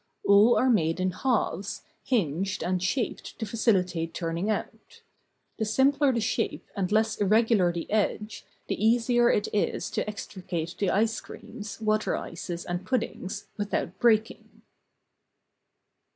All are made in halves, hinged and shaped to facilitate turning out. The simpler the shape and less irregular the edge, the easier it is to extricate the ice creams, water ices and puddings, without breaking.